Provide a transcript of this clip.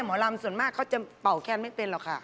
หมอลำส่วนมากเขาจะเป่าแคนไม่เป็นหรอกค่ะ